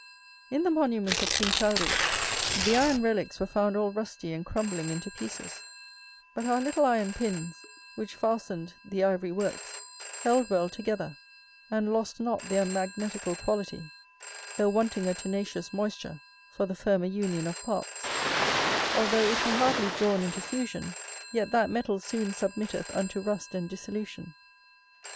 In the monument of King Childerick the iron relicks were found all rusty and crumbling into pieces; but our little iron pins, which fastened the ivory works, held well together, and lost not their magnetical quality, though wanting a tenacious moisture for the firmer union of parts; although it be hardly drawn into fusion, yet that metal soon submitteth unto rust and dissolution.